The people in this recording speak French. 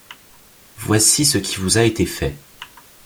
Voici ce qui vous a été fait.